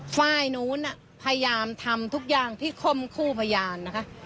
ฝ่ายนู้นพยายามทำทุกอย่างที่คมคู่พยานนะคะ